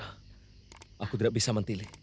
aku tidak bisa mantili